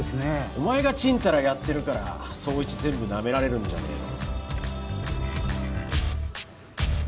お前がちんたらやってるから捜一全部なめられるんじゃねえの？